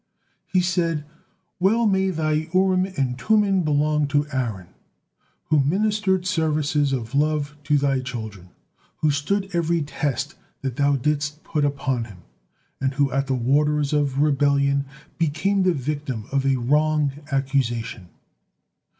He said: "Well may Thy Urim and Tummim belong to Aaron, who ministered services of love to Thy children, who stood every test that Thou didst put upon him, and who at the 'waters of rebellion' became the victim of a wrong accusation."